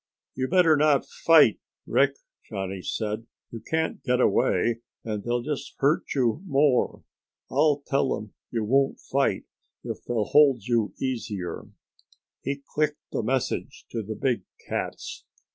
"You better not fight, Rick," Johnny said. "You can't get away and they'll just hurt you more. I'll tell them you won't fight if they'll hold you easier." He clicked the message to the big cats.